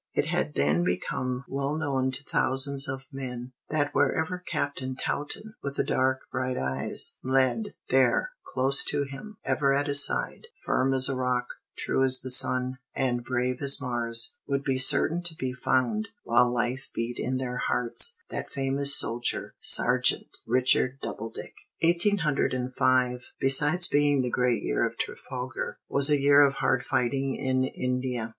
It had then become well known to thousands of men, that wherever Captain Taunton, with the dark, bright eyes, led, there, close to him, ever at his side, firm as a rock, true as the sun, and brave as Mars, would be certain to be found, while life beat in their hearts, that famous soldier, Sergeant Richard Doubledick. Eighteen hundred and five, besides being the great year of Trafalgar, was a year of hard fighting in India.